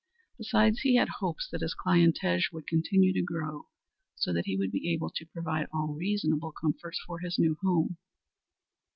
Besides he had hopes that his clientage would continue to grow so that he would be able to provide all reasonable comforts for his new home.